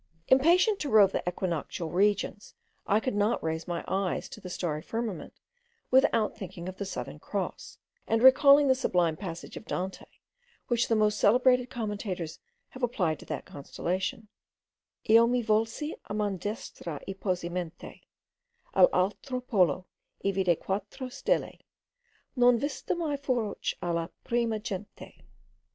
Impatient to rove in the equinoctial regions, I could not raise my eyes to the starry firmament without thinking of the Southern Cross, and recalling the sublime passage of Dante, which the most celebrated commentators have applied to that constellation: Io mi volsi a man' destra e posi mente All' altro polo, e vidi quattro stelle Non viste mai fuorch' alla prima gente.